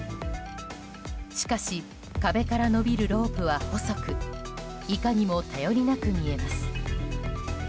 しかし壁から延びるロープは細くいかにも頼りなく見えます。